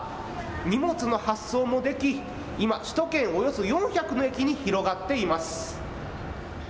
荷物の発送もでき、今、首都圏およそ４００の駅に広がっています。